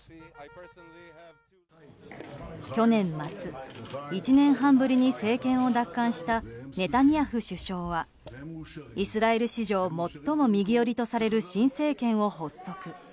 去年末、１年半ぶりに政権を奪還したネタニヤフ首相はイスラエル史上最も右寄りとされる新政権を発足。